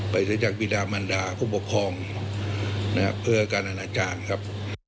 ไปจากวิดามัณฑาผู้ปกครองเพื่อการอนาจารย์ครับ